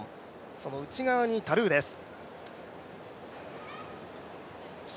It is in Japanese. その内側にタルーです。